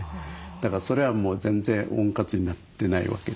だからそれはもう全然温活になってないわけですよね。